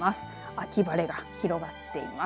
秋晴れが広がっています。